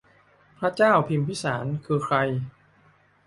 พระเจ้าพิมพิสาร คือใคร